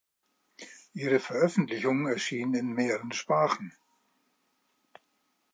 Ihre Veröffentlichungen erschienen in mehreren Sprachen.